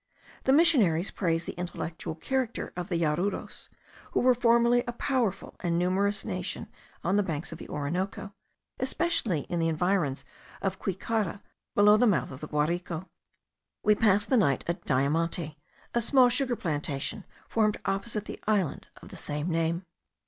The missionaries praise the intellectual character of the Yaruros, who were formerly a powerful and numerous nation on the banks of the Orinoco, especially in the environs of Cuycara, below the mouth of the Guarico. We passed the night at Diamante, a small sugar plantation formed opposite the island of the same name.